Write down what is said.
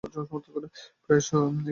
প্রায়শই এগুলির সুপরিচিত মার্কা-নাম থাকে।